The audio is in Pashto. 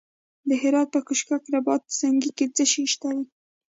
د هرات په کشک رباط سنګي کې څه شی شته؟